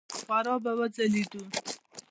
خورا به وځلېدو.